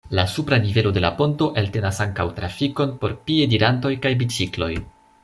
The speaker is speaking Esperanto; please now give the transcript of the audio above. La supra nivelo de la ponto eltenas ankaŭ trafikon por piedirantoj kaj bicikloj.